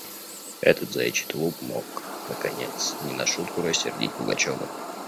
Этот заячий тулуп мог, наконец, не на шутку рассердить Пугачева.